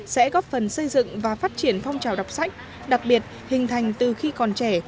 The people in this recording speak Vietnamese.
sẽ góp phần xây dựng và phát triển phong trào đọc sách đặc biệt hình thành từ khi còn trẻ